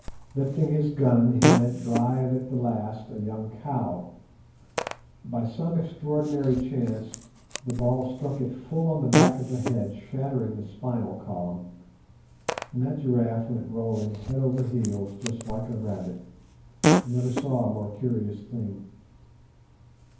Lifting his gun, he let drive at the last, a young cow. By some extraordinary chance the ball struck it full on the back of the neck, shattering the spinal column, and that giraffe went rolling head over heels just like a rabbit. I never saw a more curious thing.